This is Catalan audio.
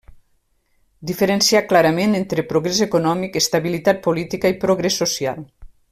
Diferenciar clarament entre progrés econòmic, estabilitat política i progrés social.